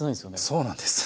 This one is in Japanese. そうなんです。